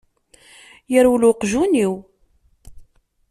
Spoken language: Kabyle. Yerwel uqjun-iw.